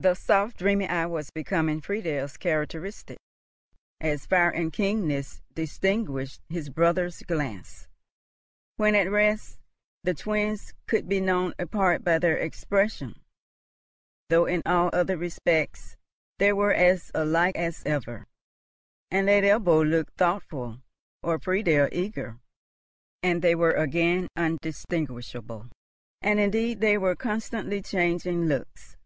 The soft dreamy eye was becoming Friedel's characteristic, as fire and keenness distinguished his brother's glance. When at rest, the twins could be known apart by their expression, though in all other respects they were as alike as ever; and let Ebbo look thoughtful or Friedel eager and they were again undistinguishable; and indeed they were constantly changing looks.